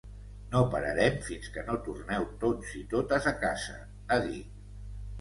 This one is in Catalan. No pararem fins que no torneu tots i totes a casa, ha dit.